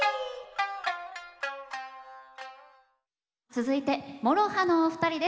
続いてＭＯＲＯＨＡのお二人です。